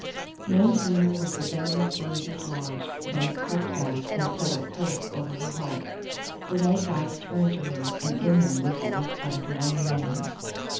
No sooner was the venomous thing dislodged than it crept back and settled close over her heart. For Knight's eyes turned to her, and in them was the look of a drowning man.